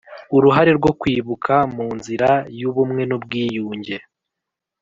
Uruhare rwo kwibuka mu nzira y ubumwe n ubwiyunge